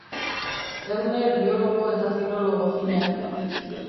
Erne biologo eta filologo finak.